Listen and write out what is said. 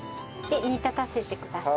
煮立たせてください。